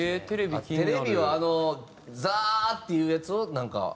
テレビはザーっていうやつをなんか？